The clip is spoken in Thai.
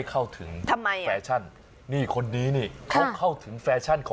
คุณอย่าทาดีขึ้นนะคะคุณจนะ